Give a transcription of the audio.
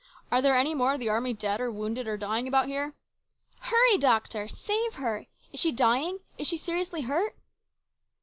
Are there any more of the army dead or wounded or dying about here ?"" Hurry, doctor ! Save her ! Is she dying ? Is she seriously hurt